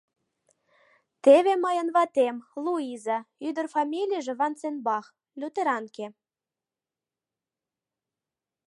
Теве мыйын ватем, Луиза, ӱдыр фамилийже Ванценбах... лютеранке...